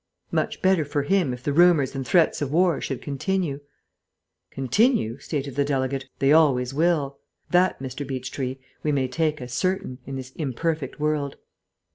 Much better for him if the rumours and threats of war should continue." "Continue," stated the delegate, "they always will. That, Mr. Beechtree, we may take as certain, in this imperfect world.